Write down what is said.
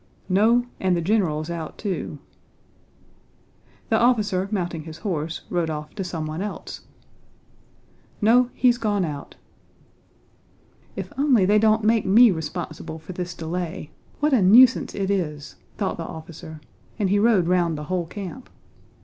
"No, and the general's out too." The officer, mounting his horse, rode off to someone else. "No, he's gone out." "If only they don't make me responsible for this delay! What a nuisance it is!" thought the officer, and he rode round the whole camp.